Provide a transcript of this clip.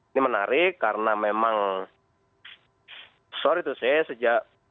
ini menarik karena memang sorry to say sejak invasi dua ribu empat belas itu